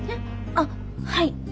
あっはい。